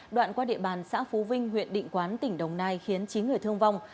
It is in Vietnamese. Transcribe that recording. đoạn qua địa bàn xã phú vinh huyện định quán tỉnh đồng nai khiến chín người thương vong